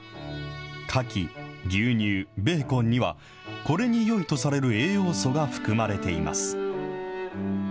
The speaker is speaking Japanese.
かき、牛乳、ベーコンには、これによいとされる栄養素が含まれています。